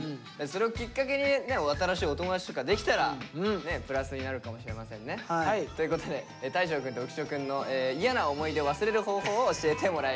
それをきっかけにね新しいお友達とかできたらプラスになるかもしれませんね。ということで大昇くんと浮所くんの嫌な思い出を忘れる方法を教えてもらいました。